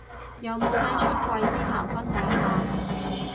有冇咩出櫃之談分享下